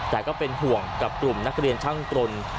แต่ก็เป็นห่วงกับกลุ่มนักเรียนช่างกรน